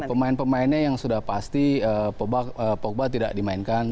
pemain pemainnya yang sudah pasti pogba tidak dimainkan